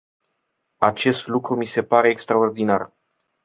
Acest lucru mi se pare extraordinar.